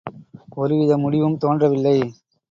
ஒரு வித முடிவும் தோன்றவில்லை.